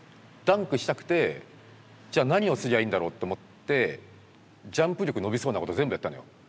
ダンクしたくてじゃあ何をすりゃいいんだろうと思ってジャンプ力伸びそうなこと全部やったのよ。